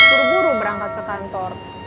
buru buru berangkat ke kantor